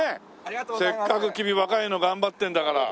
せっかく君若いの頑張ってるんだから。